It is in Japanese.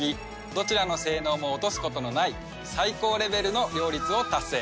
どちらの性能も落とすことのない最高レベルの両立を達成。